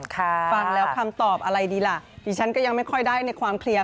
ฟังแล้วคำตอบอะไรดีล่ะดิฉันก็ยังไม่ค่อยได้ในความเคลียร์